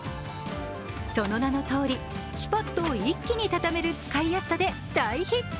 その名のとおりシュパッと一気に畳める使いやすさで大ヒット。